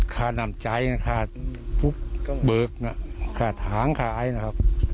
ค้าน้ำใจนะคะปุ๊บเบิกนะค้าทางขายนะครับ